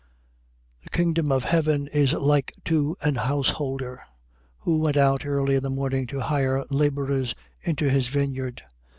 20:1. The kingdom of heaven is like to an householder, who went out early in the morning to hire labourers into his vineyard.